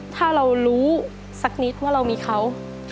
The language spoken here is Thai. ถ้าเรารู้สักนิดว่าเรามีเขา